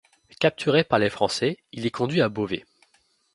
Capturé par les Français, il est conduit à Beauvais.